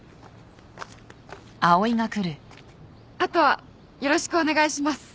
あとはよろしくお願いします。